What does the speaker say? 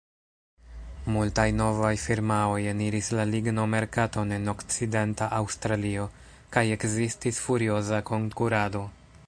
Multaj novaj firmaoj eniris la ligno-merkaton en Okcidenta Aŭstralio, kaj ekzistis furioza konkurado.